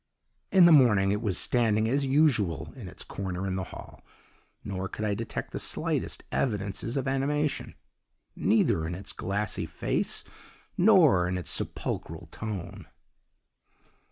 "In the morning it was standing as usual in its corner in the hall, nor could I detect the slightest evidences of animation, neither in its glassy face nor in its sepulchral tone.